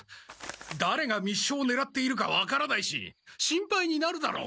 だれが密書をねらっているか分からないし心配になるだろう。